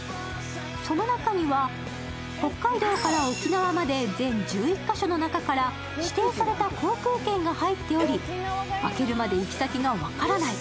その中には北海道から沖縄まで全１１カ所の中から指定された航空券が入っており開けるまで行き先が分からない。